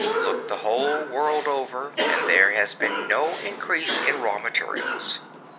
Look the whole world over and there has been no increase in raw materials.